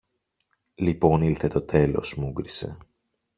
Λοιπόν, ήλθε το τέλος! μούγκρισε.